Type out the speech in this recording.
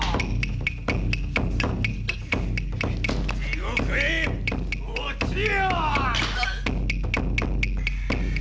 「地獄へ堕ちよ！」